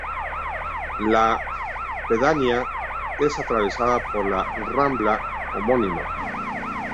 La pedanía es atravesada por la rambla homónima.